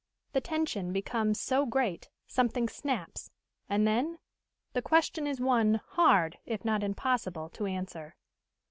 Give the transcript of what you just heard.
The tension becomes so great something snaps and then? The question is one, hard, if not impossible, to answer.